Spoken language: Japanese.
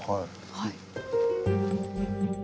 はい。